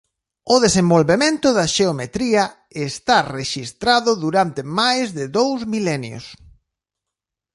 O desenvolvemento da xeometría está rexistrado durante máis de dous milenios.